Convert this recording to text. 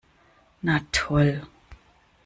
Na toll!